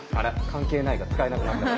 「関係ない」が使えなくなったな。